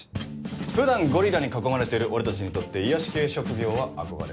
普段ゴリラに囲まれてる俺たちにとって癒やし系職業は憧れ。